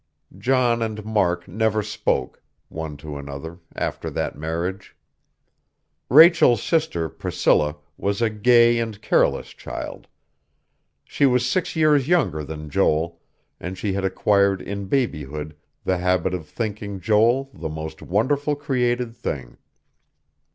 John and Mark never spoke, one to another, after that marriage. Rachel's sister, Priscilla, was a gay and careless child. She was six years younger than Joel, and she had acquired in babyhood the habit of thinking Joel the most wonderful created thing.